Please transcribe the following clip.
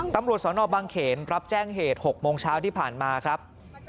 ตำรวจสนบางเขนรับแจ้งเหตุ๖โมงเช้าที่ผ่านมาครับ